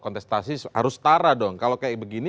kontestasi harus setara dong kalau kayak begini